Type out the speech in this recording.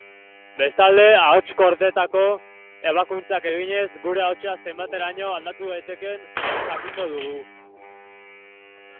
Bestalde, ahots-kordetako ebakuntzak eginez, gure ahotsa zenbateraino aldatu daitekeen jakingo dugu.